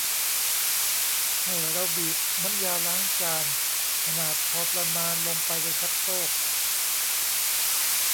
ให้เราบีบน้ำยาล้างจานขนาดพอประมาณลงไปในชักโครก